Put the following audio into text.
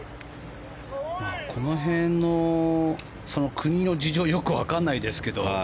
この辺の、国の事情はよく分からないですけど。